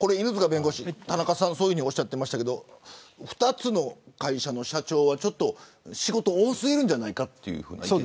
弁護士田中さんはそういうふうにおっしゃっていましたが２つの会社の社長は仕事が多すぎるんじゃないかという。